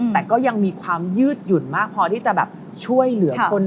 แต่ก็ยังมีความยืดหยุ่นมากพอที่จะแบบช่วยเหลือคน